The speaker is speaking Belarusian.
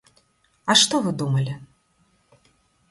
А што вы думалі?